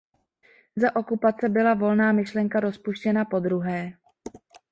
Za okupace byla Volná myšlenka rozpuštěna podruhé.